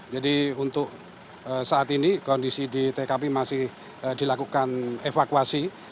jadi untuk saat ini kondisi di tkp masih dilakukan evakuasi